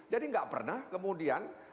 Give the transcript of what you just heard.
jadi nggak pernah kemudian